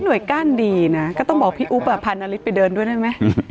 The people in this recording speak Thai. หน่วยก้านดีนะต้องบอกพี่อาอุ๊บพาหนนนิดไปเดินได้ไหม